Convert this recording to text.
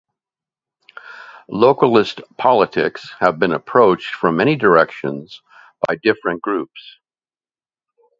Localist politics have been approached from many directions by different groups.